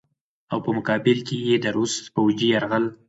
او په مقابله کښې ئې د روس فوجي يرغل